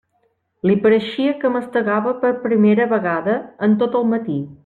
Li pareixia que mastegava per primera vegada en tot el matí.